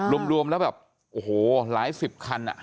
รวมแล้วแบบโอ้โหหลายสิบคัน